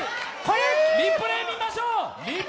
リプレー見ましょう。